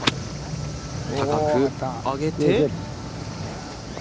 高く上げて。